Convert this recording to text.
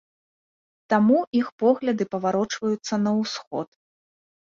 Таму іх погляды паварочваюцца на ўсход.